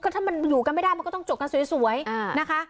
ถ้ามันอยู่กันไม่ได้มันก็ต้องจบกันสวยนะคะ